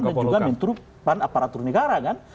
dan juga mentru panaparatur negara